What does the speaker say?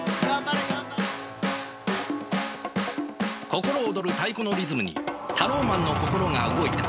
心躍る太鼓のリズムにタローマンの心が動いた。